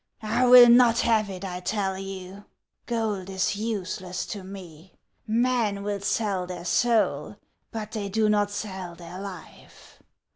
" I will not have it, I tell you. Gold is useless to me. Men will sell their soul, but they do not sell their life.